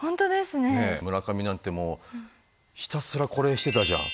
ねっ村上なんてもうひたすらこれしてたじゃん。